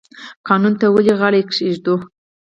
قانون ته ولې غاړه کیږدو؟